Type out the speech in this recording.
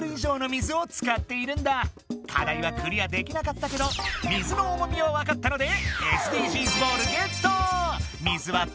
課題はクリアできなかったけど水の重みはわかったのでＳＤＧｓボールゲット！水はたいせつに。